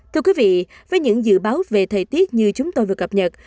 thưa quý vị với những dự báo về thời tiết như chúng tôi vừa cập nhật